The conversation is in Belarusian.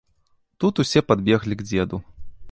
Тут усе падбеглі к дзеду.